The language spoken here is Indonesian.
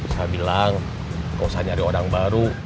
saya bilang gak usah nyari orang baru